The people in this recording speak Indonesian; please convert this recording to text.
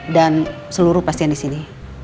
dan seluruh pasien disini